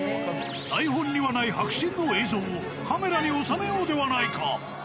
台本にはない迫真の映像をカメラに収めようではないか。